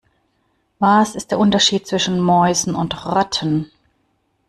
Was ist der Unterschied zwischen Mäusen und Ratten?